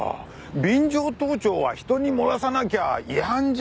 便乗盗聴は人に漏らさなきゃ違反じゃ。